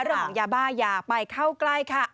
หล่องยาบ้ายาไปเข้าใกล้ค่ะ